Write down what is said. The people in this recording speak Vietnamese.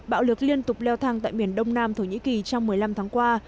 bạo lực liên tục leo thang tại miền đông nam thổ nhĩ kỳ trong một mươi năm tháng qua